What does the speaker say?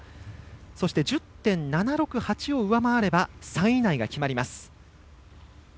そして１０．７６８を上回れば３位以内が決まります。